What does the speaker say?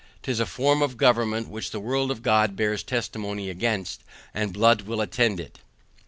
'Tis a form of government which the word of God bears testimony against, and blood will attend it.